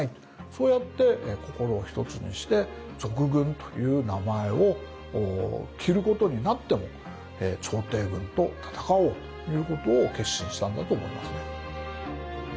そうやって心を一つにして賊軍という名前を着ることになっても朝廷軍と戦おうということを決心したんだと思いますね。